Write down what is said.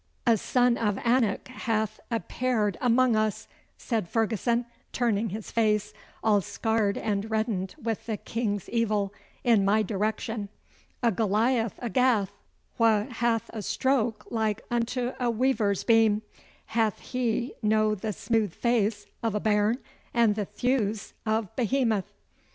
'A son of Anak hath appaired amang us,' said Ferguson, turning his face, all scarred and reddened with the king's evil, in my direction. 'A Goliath o' Gath, wha hath a stroke like untae a weaver's beam. Hath he no the smooth face o' a bairn and the thews' o' Behemoth?